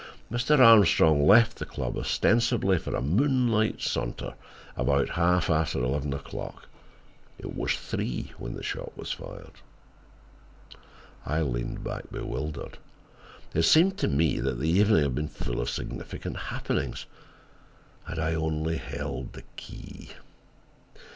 Mr. Armstrong left the club ostensibly for a moonlight saunter, about half after eleven o'clock. It was three when the shot was fired." I leaned back bewildered. It seemed to me that the evening had been full of significant happenings, had I only held the key.